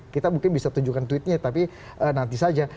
kita mungkin bisa tunjukkan tweetnya tapi nanti saja